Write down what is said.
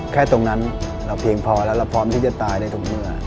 แค่ตรงนั้นเราเพียงพอแล้วเราพร้อมที่จะตายในตรงนี้